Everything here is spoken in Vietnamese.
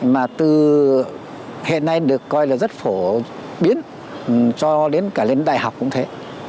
mà từ hiện nay được coi là rất phổ biến cho đến cả lên đại học cũng thế